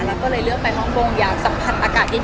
เราก็เลือกเงินไปห้องโมงอยากสัมผัสอากาศเย็น